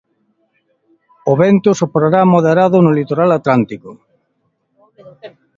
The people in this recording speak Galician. O vento soprará moderado no litoral atlántico.